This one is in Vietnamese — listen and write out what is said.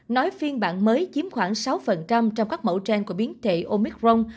nói phiên bản mới chiếm khoảng sáu trong các mẫu trend của biến thể omicron